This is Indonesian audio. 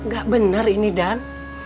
gak bener ini dan